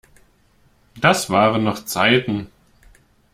Das waren noch Zeiten!